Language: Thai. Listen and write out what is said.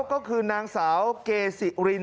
ก็คือนางสาวเกซิริน